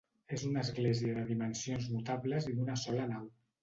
És una església de dimensions notables i d'una sola nau.